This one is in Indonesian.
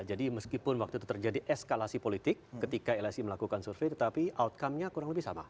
jadi meskipun waktu itu terjadi eskalasi politik ketika lsi melakukan survei tetapi outcome nya kurang lebih sama